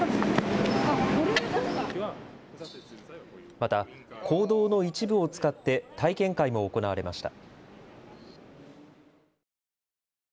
また公道の一部を使って体験会も行われました。